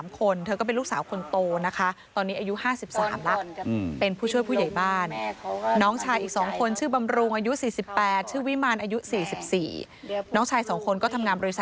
กลัวกันมา๖๙ปีเนอะ